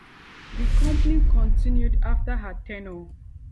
The company continued after her tenure.